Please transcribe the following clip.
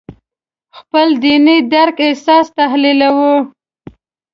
خپل دیني درک اساس تحلیلوي.